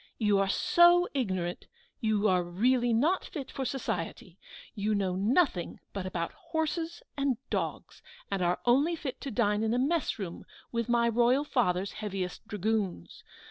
You are so ignorant, you are really not fit for society! You know nothing but about horses and dogs, and are only fit to dine in a mess room with my Royal Father's heaviest dragoons.